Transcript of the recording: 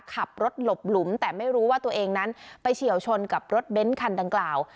ขับรถหลบหลุมแต่ไม่รู้ว่าตัวเองนั้นไปเฉียวชนกับรถเบ้นคันดังกล่าว